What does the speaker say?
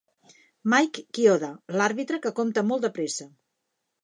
Mike Chioda, l'àrbitre que compta molt de pressa